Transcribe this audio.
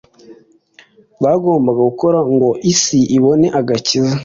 bagombaga gukora ngo isi ibone agakiza.